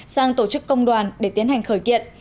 sang tổ chức công đoàn để tiến hành khởi kiện